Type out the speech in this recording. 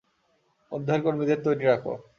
উদ্ধারকর্মীদের তৈরি রাখো।